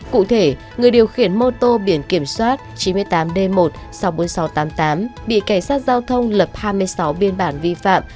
cụ thể người điều khiển mô tô biển kiểm soát chín mươi tám d một sáu mươi bốn nghìn sáu trăm tám mươi tám bị cảnh sát giao thông lập hai mươi sáu biên bản vi phạm